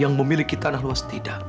yang memiliki tanah luas tidak